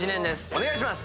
お願いします！